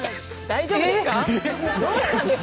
大丈夫ですか？